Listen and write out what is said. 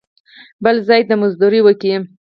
بل ځای دې مزدوري وکي.